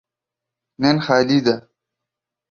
نن خالي ده.